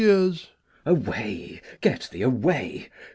Away, get thee away!